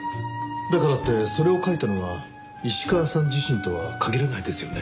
だからってそれを書いたのは石川さん自身とは限らないですよね？